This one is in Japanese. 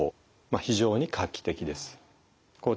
非常に画期的です。